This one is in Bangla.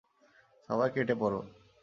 সবাই কেটে পড়ো!